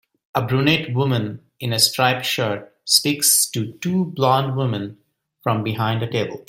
A brunette woman in a striped shirt speaks to two blond women from behind a table.